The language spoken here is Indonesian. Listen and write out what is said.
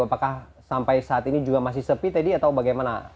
apakah sampai saat ini juga masih sepi teddy atau bagaimana